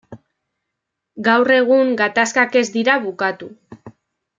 Gaur egun gatazkak ez dira bukatu.